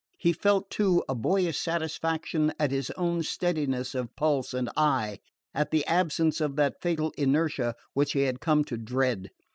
He felt, too, a boyish satisfaction at his own steadiness of pulse and eye, at the absence of that fatal inertia which he had come to dread.